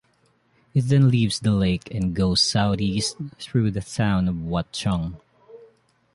It then leaves the lake and goes southeast through the town of Watchung.